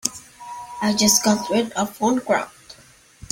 I just got rid of one crowd.